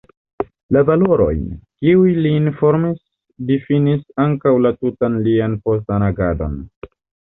Valorojn, kiuj lin formis, difinis ankaŭ la tutan lian postan agadon.